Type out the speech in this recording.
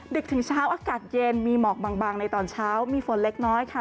ดึกถึงเช้าอากาศเย็นมีหมอกบางในตอนเช้ามีฝนเล็กน้อยค่ะ